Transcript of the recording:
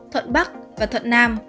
thuận bắc và thuận nam